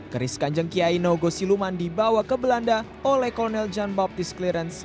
keris kanjeng kiai nogo siluman dibawa ke belanda oleh kolonel jan baptis clearance